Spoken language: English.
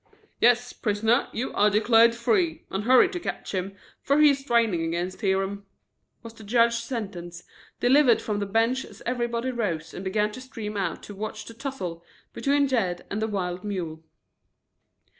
"Yes, prisoner, you are declared free, and hurry to ketch him, fer he's straining ag'inst Hiram," was the judge's sentence, delivered from the bench as everybody rose and began to stream out to watch the tussle between Jed and the wild mule.